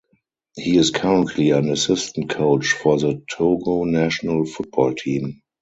He is currently an assistant coach for the Togo national football team.